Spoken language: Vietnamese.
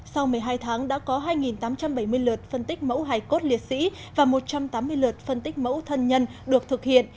sau một mươi hai tháng đã có hai tám trăm bảy mươi lượt phân tích mẫu hải cốt liệt sĩ và một trăm tám mươi lượt phân tích mẫu thân nhân được thực hiện